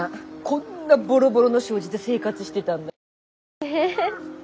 こんなボロボロの障子で生活してたんだ。